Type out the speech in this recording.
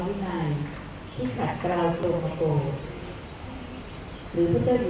สวัสดีครับสวัสดีครับ